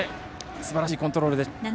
すばらしいコントロールでした。